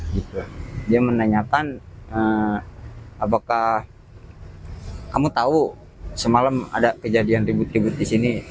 dia menanyakan apakah kamu tahu semalam ada kejadian ribut ribut di sini